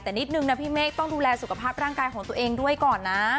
แต่นิดนึงนะพี่เมฆต้องดูแลสุขภาพร่างกายของตัวเองด้วยก่อนนะ